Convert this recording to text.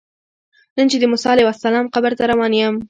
نن چې د موسی علیه السلام قبر ته روان یم.